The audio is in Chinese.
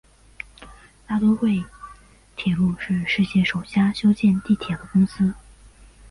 大都会铁路是世界首家修建地铁的公司。